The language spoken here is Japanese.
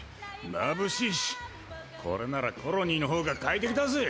まぶしいしこれならコロニーの方が快適だぜ。